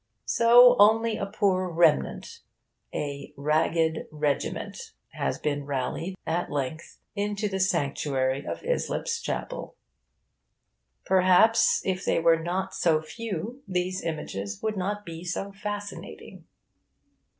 So only a poor remnant, a 'ragged regiment,' has been rallied, at length, into the sanctuary of Islip's Chapel. Perhaps, if they were not so few, these images would not be so fascinating.